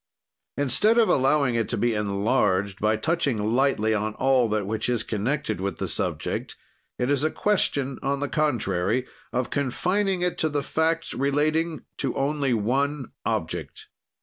"Instead of allowing it to be enlarged by touching lightly on all that which is connected with the subject, it is a question, on the contrary, of confining it to the facts relating to only one object.